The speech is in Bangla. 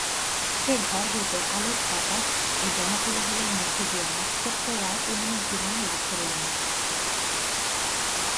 সে ঘর হইতে আলোক বাতাস ও জনকোলাহলের মধ্যে গিয়া নক্ষত্ররায় পুনর্জীবন লাভ করিলেন।